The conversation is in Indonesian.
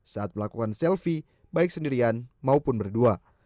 saat melakukan selfie baik sendirian maupun berdua